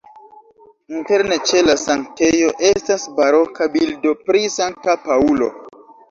Interne ĉe la sanktejo estas baroka bildo pri Sankta Paŭlo.